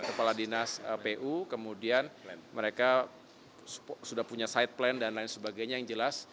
kepala dinas pu kemudian mereka sudah punya side plan dan lain sebagainya yang jelas